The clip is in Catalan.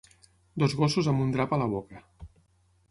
Dos gossos amb un drap a la boca